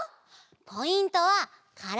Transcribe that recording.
ポイントはからだ！